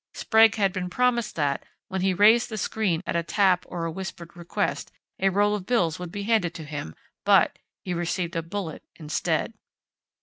Sprague had been promised that, when he raised the screen at a tap or a whispered request, a roll of bills would be handed to him, but he received a bullet instead."